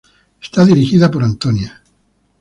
Es dirigida por Antonia.